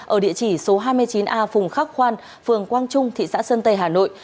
ở địa chỉ số hai mươi chín a phùng khắc khoan phường quang trung thị xã sơn tây hà nội